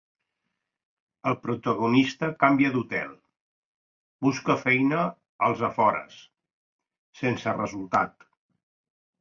El protagonista canvia d'hotel, busca feina als afores, sense resultat.